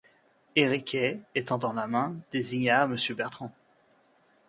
Et Riquet, étendant la main, désigna à M. Bertrand.